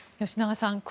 吉永さん